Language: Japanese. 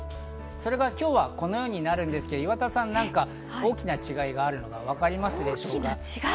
それが今日はこのようになるんですけど岩田さん、大きな違いがあるのが分かりますでしょうか？